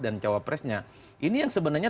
dan cowok presnya ini yang sebenarnya